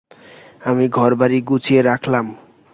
আমি ঘরবাড়ি গুছিয়ে রাখতাম।